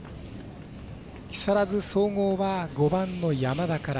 木更津総合は５番の山田から。